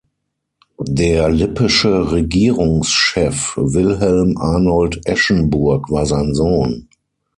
Der lippische Regierungschef Wilhelm Arnold Eschenburg war sein Sohn.